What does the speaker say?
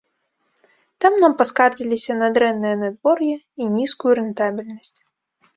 Там нам паскардзіліся на дрэннае надвор'е і нізкую рэнтабельнасць.